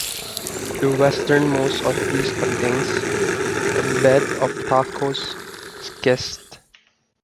The westernmost of these contains a bed of talcose schist.